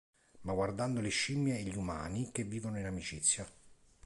Ma guardando le sciemmie e gli umani, che vivono in amicizia.